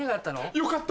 よかった！